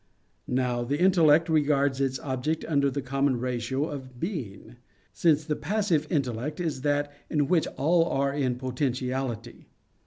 Now, the intellect regards its object under the common ratio of being: since the passive intellect is that "in which all are in potentiality."